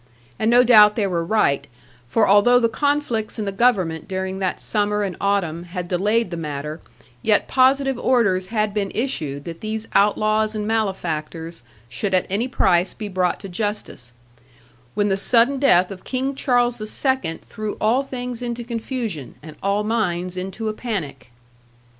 And no doubt they were right; for although the conflicts in the Government during that summer and autumn had delayed the matter yet positive orders had been issued that these outlaws and malefactors should at any price be brought to justice; when the sudden death of King Charles the Second threw all things into confusion, and all minds into a panic.